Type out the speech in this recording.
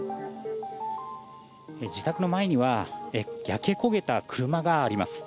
自宅の前には焼け焦げた車があります。